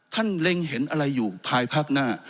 เล็งเห็นอะไรอยู่ภายภาคหน้า